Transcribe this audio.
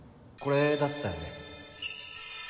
これだったよね？